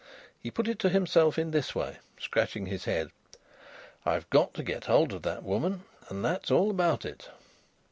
He put it to himself in this way, scratching his head: "I've got to get hold of that woman, and that's all about it!"